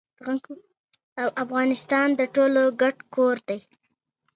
ګوډې پښې يې درد کاوه.